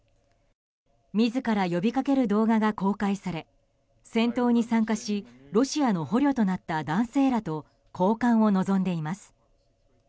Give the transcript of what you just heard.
自ら呼びかける動画が公開され戦闘に参加しロシアの捕虜となった男性らと交換を望んでいます。